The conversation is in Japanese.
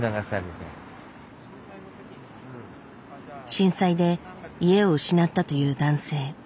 震災で家を失ったという男性。